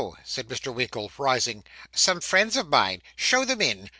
said Mr. Winkle, rising, 'some friends of mine show them in.